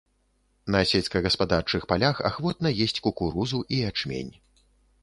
На сельскагаспадарчых палях ахвотна есць кукурузу і ячмень.